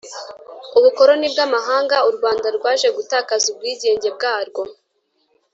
ubukoloni bw‘amahanga u Rwanda Rwaje gutakaza ubwigenge bwarwo